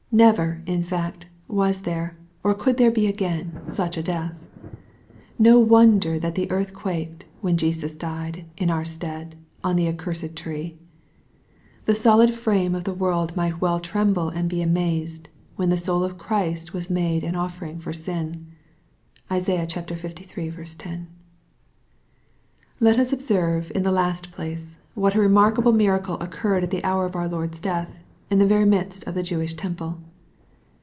Never, in fact, was there, or could there be again, such a death. No wonder that the earth quaked, when Jesus died, in our stead, on the accursed tree. The soUd frame of the world might well tremble and be amazed, when the soul of Christ was made an oflFering for sin. (Isaiah liii. 10.) Let us observe, in the last place, wJiat a remarkable miracle occurred at the hour of our Lord's deathj in the very midst of the Jewish temple.